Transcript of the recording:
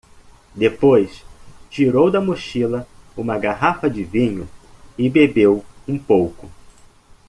Depois tirou da mochila uma garrafa de vinho e bebeu um pouco.